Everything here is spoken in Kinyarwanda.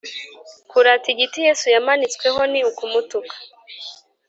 Kurata igiti Yesu yamanitsweho ni ukumutuka